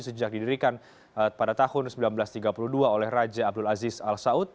sejak didirikan pada tahun seribu sembilan ratus tiga puluh dua oleh raja abdul aziz al saud